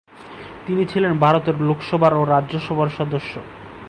তিনি ছিলেন ভারতের লোকসভার ও রাজ্যসভার সদস্য।